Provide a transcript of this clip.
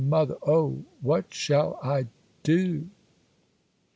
mother! oh! what shall I do?